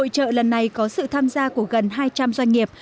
hội trợ lần này có sự tham gia của gần hai trăm linh doanh nghiệp